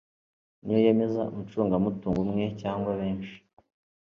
niyo yemeza umucungamutungo umwe cyangwa benshi